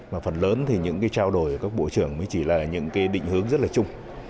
và phần lớn thì những cái trao đổi của các bộ trưởng mới chỉ là những cái định hướng rất là chung